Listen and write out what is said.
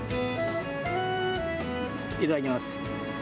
いただきます。